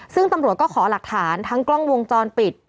ซึ่งตำรวจก็ขอหลักฐานทั้งกล้องวงจรปิด